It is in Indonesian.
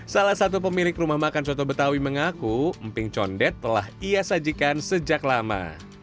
salah satu pemilik rumah makan soto betawi mengaku emping condet telah ia sajikan sejak lama